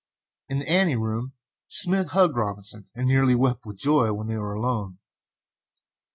In the ante room Smith hugged Robinson, and nearly wept with joy when they were alone.